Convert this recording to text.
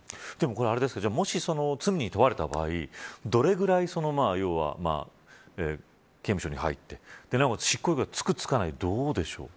もし罪に問われた場合どれぐらい、要は刑務所に入ってなおかつ、執行猶予がつく、つかない、どうでしょう。